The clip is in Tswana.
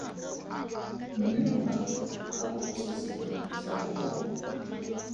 Mme morago ga bo go se sepe sa go bonwa.